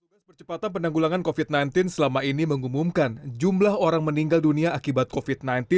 tugas percepatan penanggulangan covid sembilan belas selama ini mengumumkan jumlah orang meninggal dunia akibat covid sembilan belas